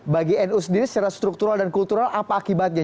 bagi nu sendiri secara struktural dan kultural apa akibatnya